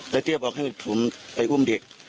แล้วเตี้ยบอกให้ผมไปอุ้มเด็ก